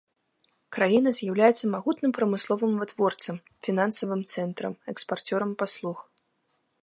Краіна з'яўляецца магутным прамысловым вытворцам, фінансавым цэнтрам, экспарцёрам паслуг.